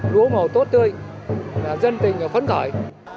lúa màu tốt tươi dân tình và phấn khởi